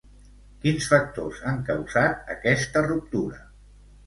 Quins factors han causat aquesta ruptura?